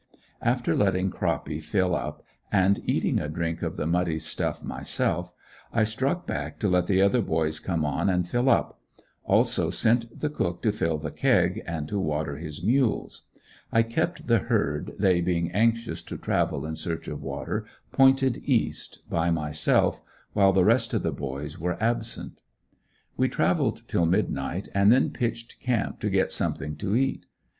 After letting Croppy fill up, and eating a drink of the muddy stuff myself, I struck back to let the other boys come on and fill up; also sent the cook to fill the keg, and to water his mules, I kept the herd, they being anxious to travel in search of water, pointed east, by myself, while the rest of the boys were absent. We traveled till midnight and then pitched camp to get something to eat.